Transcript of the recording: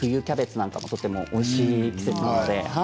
キャベツなんかもとてもおいしい季節なので。